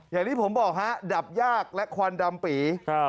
อย่างที่ผมบอกฮะดับยากและควันดำปี